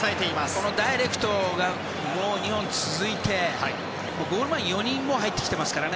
このダイレクトが２本続いてゴール前に４人入ってきていますからね。